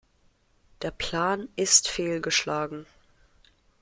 Der Plan ist fehlgeschlagen.